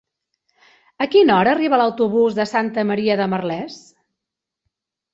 A quina hora arriba l'autobús de Santa Maria de Merlès?